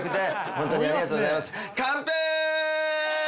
ホントにありがとうございますカンペイ！